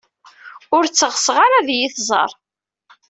Ur tt-ɣseɣ ara ad iyi-tẓer.